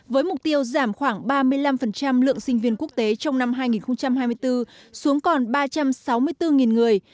với mục tiêu giảm khoảng ba mươi năm lượng sinh viên quốc tế trong năm hai nghìn hai mươi bốn xuống còn ba trăm sáu mươi bốn người